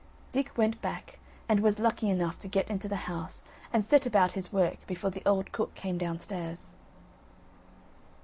Dick went back, and was lucky enough to get into the house, and set about his work, before the old cook came downstairs.